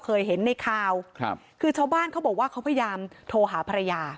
เคยเห็นในข่าวครับคือชาวบ้านเขาบอกว่าเขาพยายามโทรหาภรรยา